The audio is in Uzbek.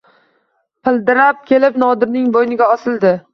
Pildirab kelib Nodirning bo‘yniga osildi.